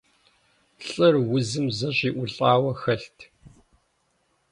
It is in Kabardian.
Лӏыр узым зэщӏиӏулӏауэ хэлът.